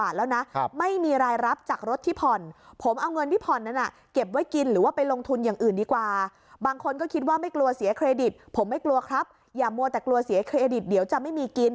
ถ้าไม่มีกินแล้วรถเนี่ยเขาก็บอกด้วยว่า